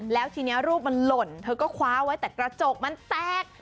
แล้วทีนี้รูปมันหล่นเธอก็คว้าไว้แต่กระจกมันแตก